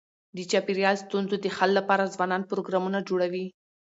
د چاپېریال ستونزو د حل لپاره ځوانان پروګرامونه جوړوي.